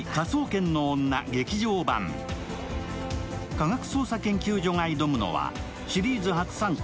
科学捜査研究所が挑むのはシリーズ初参加